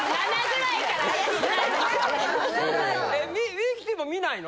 ミキティも見ないの？